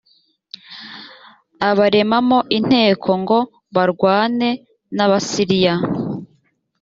abaremamo inteko ngo barwane n abasiriya